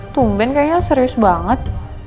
tumben kayaknya serius banget